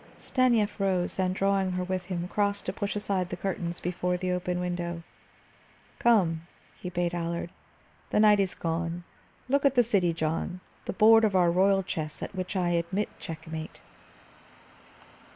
Stanief rose, and drawing her with him, crossed to push aside the curtains before the open window. "Come," he bade Allard. "The last night is gone. Look at the city, John; the board of our royal chess, at which I admit checkmate."